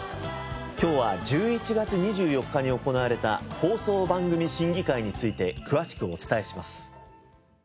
今日は１１月２４日に行われた放送番組審議会について詳しくお伝えします。